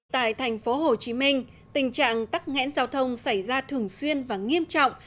tại thành phố hồ chí minh tình trạng tắt ngãn giao thông xảy ra thường xuyên và nghiêm trọng